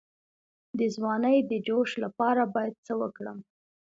د ځوانۍ د جوش لپاره باید څه وکړم؟